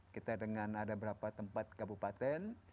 kita dengan ada beberapa tempat kabupaten